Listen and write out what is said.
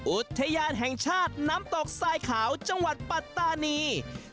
อุทยานแห่งชาติน้ำตกทรายขาวจังหวัดปัตตานี